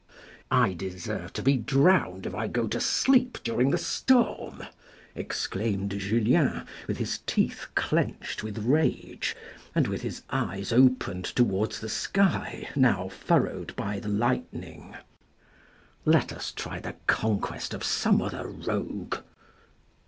" I deserve to be drowned if I go to sleep during the storm," exclaimed Julien, with his teeth clenched with rage, and with his eyes opened towards the sky now furrowed by the lightning. " Let us try the conquest of some other rogue."